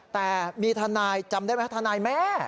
แต่มีทนายจำได้ไหมทนายแม่